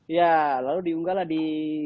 iya lalu diunggahlah di